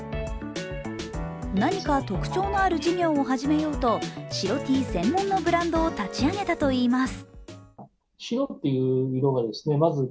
何か特徴のある事業を始めようと白Ｔ専門のブランドを立ち上げたといいます。